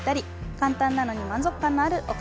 簡単なのに満足感のあるおかずです。